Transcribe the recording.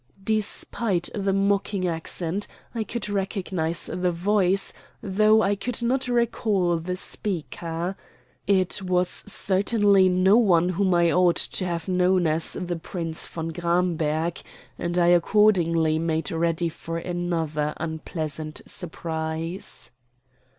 Despite the mocking accent, I could recognize the voice, though I could not recall the speaker. It was certainly no one whom I ought to have known as the Prince von Gramberg, and I accordingly made ready for another unpleasant surprise.